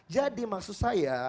jadi maksud saya